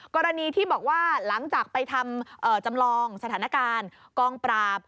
กรณีที่บอกว่าหลังจากไปทำจำลองสถานการณ์กองปราบ